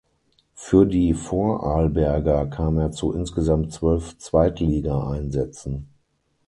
Für die Vorarlberger kam er zu insgesamt zwölf Zweitligaeinsätzen.